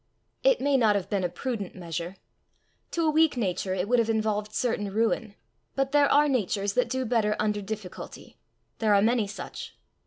It may not have been a prudent measure. To a weak nature it would have involved certain ruin. But there are natures that do better under difficulty; there are many such.